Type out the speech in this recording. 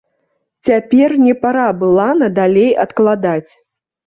Цяпер не пара была надалей адкладаць.